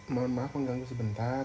mohon maaf mengganggu sebentar